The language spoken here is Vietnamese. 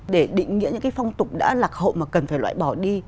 để định nghĩa những cái phong tục đã lạc hộ mà cần phải loại bỏ đi